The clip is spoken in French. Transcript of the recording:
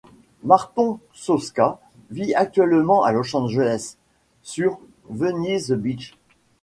Marton Csokas vit actuellement à Los Angeles, sur Venice Beach.